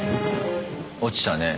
落ちたね。